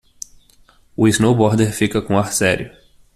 O snowboarder fica com ar sério.